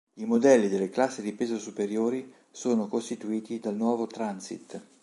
I modelli delle classi di peso superiori sono costituiti dal nuovo Transit.